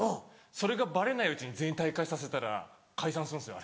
それがバレないうちに全員退会させたら解散するんです。